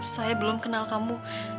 saya belum kenal kamu